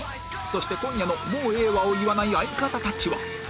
そして今夜のもうええわを言わない相方たちは